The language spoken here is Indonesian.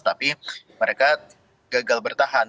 tapi mereka gagal bertahan